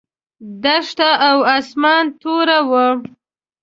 دښته او اسمان توره وه.